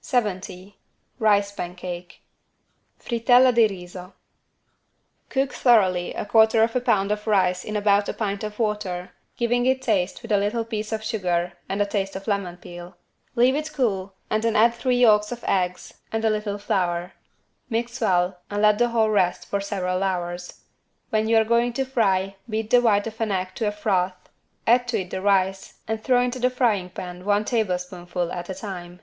70 RICE PANCAKE (Frittelle di riso) Cook thoroughly 1/4 lb. of rice in about a pint of water giving it taste with a little piece of sugar and a taste of lemon peel. Leave it cool and then add three yolks of eggs and a little flour. Mix well and let the whole rest for several hours. When you are going to fry beat the white of an egg to a froth, add it to the rice and throw into the frying pan one tablespoonful at a time.